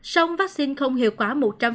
sông vaccine không hiệu quả một trăm linh